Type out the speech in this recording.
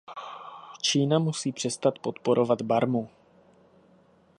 Čína musí přestat podporovat Barmu.